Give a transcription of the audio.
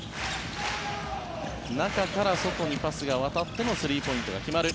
中から外にパスが渡ってのスリーポイントが決まる。